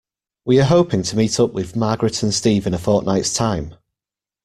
We are hoping to meet up with Margaret and Steve in a fortnight's time.